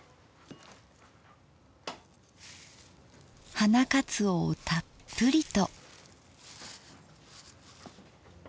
花かつおをたっぷりと。